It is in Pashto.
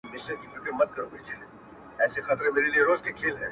چي تا نه مني داټوله ناپوهان دي!!